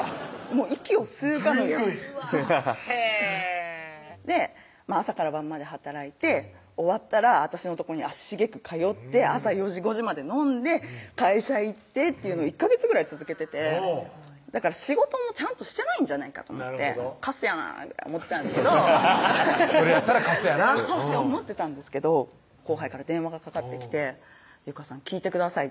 もう息を吸うかのようにグイグイへぇ朝から晩まで働いて終わったら私のとこに足しげく通って朝４時・５時まで飲んで会社行ってっていうのを１ヵ月ぐらい続けててだから仕事もちゃんとしてないんじゃないかと思ってカスやなぐらいに思ってたんですけどそれやったらカスやなって思ってたんですけど後輩から電話がかかってきて「有果さん聞いてください」